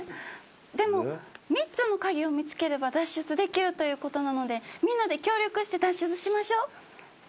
でも３つの鍵を見つければ脱出できるということなのでみんなで協力して脱出しましょう。